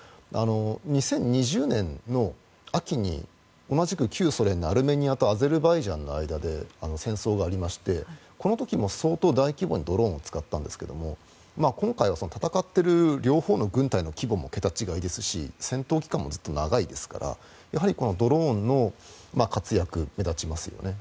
２０２０年の秋に同じく旧ソ連のアルメニアとアゼルバイジャンの間で戦争がありましてこの時も相当、大規模にドローンを使ったんですが今回は戦っている両方の軍隊の規模も桁違いですし戦闘期間もずっと長いですからやはりドローンの活躍目立ちますよね。